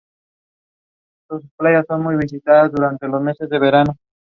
It ended later In November.